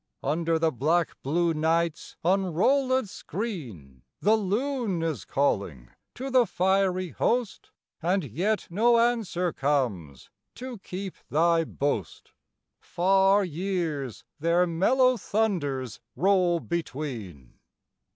Under the black blue night's unrollëd screen The loon is calling to the fiery host, And yet no answer comes to keep thy boast, Far years their mellow thunders roll between.